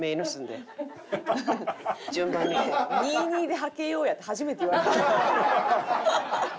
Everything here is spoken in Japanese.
２２でハケようやって初めて言われました。